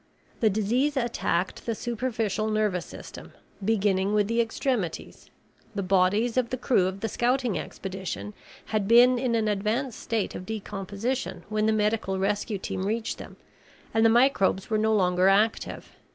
The disease attacked the superficial nervous system, beginning with the extremities. The bodies of the crew of the scouting expedition had been in an advanced state of decomposition when the medical rescue team reached them and the microbes were no longer active.